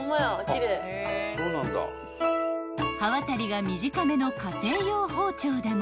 ［刃渡りが短めの家庭用包丁でも］